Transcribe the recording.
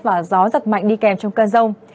và gió giật mạnh đi kèm trong cơn rông